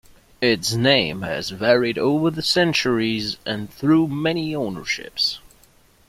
Its name has varied over the centuries and through many ownerships.